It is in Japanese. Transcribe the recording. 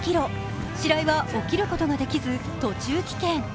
白井は起きることができず、途中棄権。